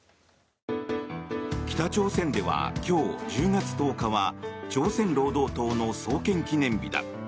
北朝鮮では今日１０月１０日は朝鮮労働党の創建記念日だ。